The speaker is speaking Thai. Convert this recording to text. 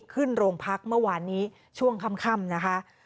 ขึ้นโรงพักเมื่อวานนี้ช่วงค่ำนะคะ